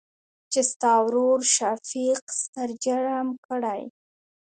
چې ستا ورورشفيق ستر جرم کړى.